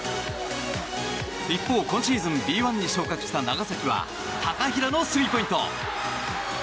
一方、今シーズンＢ１に昇格した長崎は高比良のスリーポイント。